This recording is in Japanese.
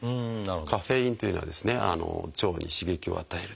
カフェインというのは腸に刺激を与えるので。